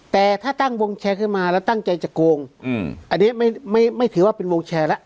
แต่ถ้าตั้งวงแชร์ขึ้นมาแล้วตั้งใจจะโกงอันนี้ไม่ถือว่าเป็นวงแชร์แล้ว